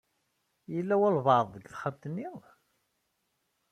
Yella walbaɛḍ deg texxamt-nni?